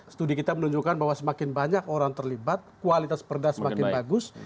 studi kita menunjukkan bahwa semakin banyak orang terlibat kualitas perda semakin bagus